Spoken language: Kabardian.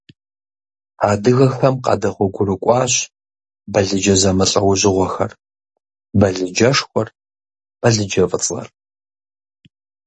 Адыгэхэм къадэгъуэгурыкӀуащ балыджэ зэмылӀэужьыгъуэхэр, балыджэшхуэр, балыджэфӀыцӀэр.